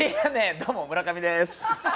どうも、村上でーす。